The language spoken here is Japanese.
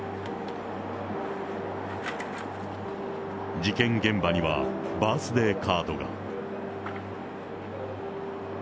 事件現場には、バースデーカードが。